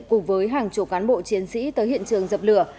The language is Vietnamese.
cùng với hàng chục cán bộ chiến sĩ tới hiện trường dập lửa